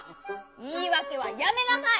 いいわけはやめなさい！